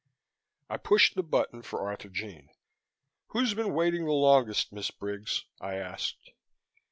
I pushed the button for Arthurjean. "Who's been waiting the longest, Miss Briggs," I asked.